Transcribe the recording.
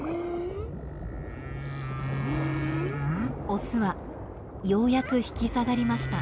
オスはようやく引き下がりました。